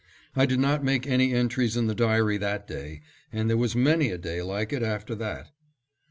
I did not make any entries in the diary that day, and there was many a day like it after that.